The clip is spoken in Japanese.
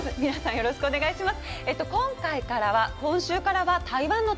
よろしくお願いします。